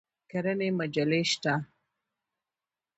د کرنې مجلې شته؟